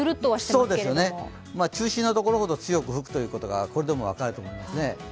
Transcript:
そうですよね、中心のところほど強く吹くというのがこれでも分かると思いますね。